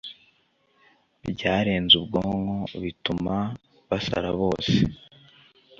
byarenze ubwonko bituma basarabose